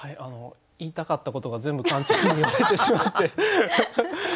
あの言いたかったことが全部カンちゃんに言われてしまって。